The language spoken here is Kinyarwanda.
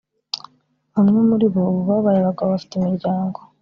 Bamwe muri bo ubu babaye abagabo bafite imiryango